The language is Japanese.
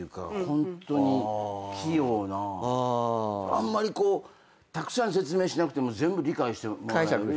あんまりこうたくさん説明しなくても全部理解してもらえる。